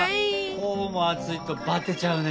こうも暑いとバテちゃうね。